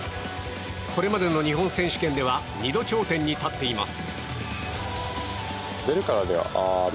これまでの日本選手権では２度頂点に立っています。